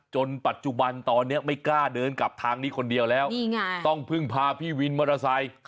จนปัจจุบันตอนนี้ไม่กล้าเดินกลับทางนี้คนเดียวแล้วนี่ไง